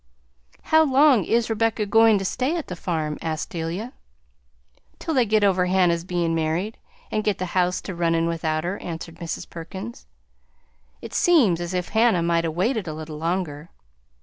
"How long is Rebecca goin' to stay at the farm?" asked Delia. "Till they get over Hannah's bein' married, and get the house to runnin' without her," answered Mrs. Perkins. "It seems as if Hannah might 'a' waited a little longer.